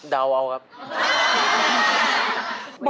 เดาเอาครับ